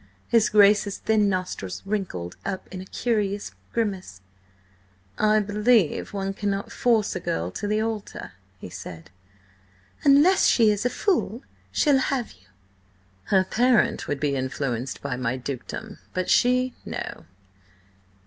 His Grace's thin nostrils wrinkled up in a curious grimace. "I believe one cannot force a girl to the altar," he said. "Unless she is a fool, she'll have you." "Her parent would be influenced by my dukedom, but she, no.